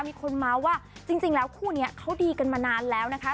มีคนเมาส์ว่าจริงแล้วคู่นี้เขาดีกันมานานแล้วนะคะ